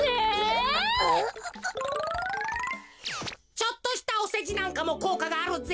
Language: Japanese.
ちょっとしたおせじなんかもこうかがあるぜ。